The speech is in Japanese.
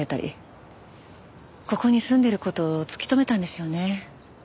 ここに住んでる事を突き止めたんでしょうね。